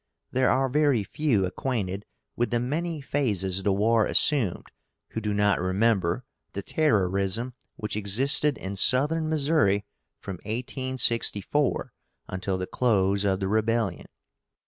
There are very few acquainted with the many phases the war assumed who do not remember the terrorism which existed in Southern Missouri from 1864 until the close of the rebellion.